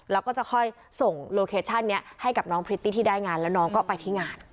แล้วก็จะค่อยส่งโลเคชั่นนี้ให้กับน้องพริตตี้ที่ได้งานแล้วน้องก็ไปที่งาน